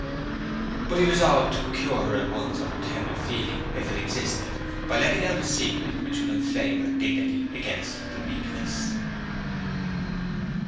But he resolved to cure at once her tender feeling, if it existed, by letting out a secret which would inflame her dignity against the weakness.